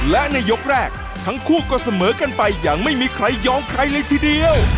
และในยกแรกทั้งคู่ก็เสมอกันไปอย่างไม่มีใครยอมใครเลยทีเดียว